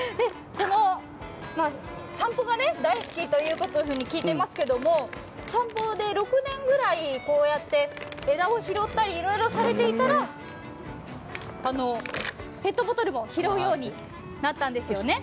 散歩が大好きというふうに聞いていますけれども、散歩で６年ぐらいこうやって枝を拾っていろいろされていたらペットボトルも拾うようになったんですよね。